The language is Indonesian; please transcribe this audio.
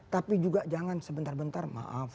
tapi juga jangan sebentar bentar maaf